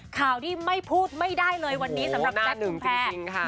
ข่าวที่ไม่พูดไม่ได้เลยวันนี้สำหรับแจ๊คชุมแพร